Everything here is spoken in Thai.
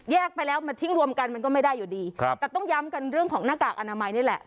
ไปแล้วมาทิ้งรวมกันมันก็ไม่ได้อยู่ดีครับแต่ต้องย้ำกันเรื่องของหน้ากากอนามัยนี่แหละ